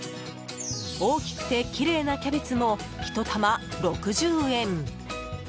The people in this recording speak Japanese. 大きくてきれいなキャベツも１玉６０円。